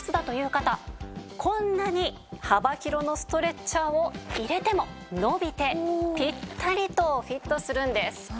こんなに幅広のストレッチャーを入れても伸びてピッタリとフィットするんです。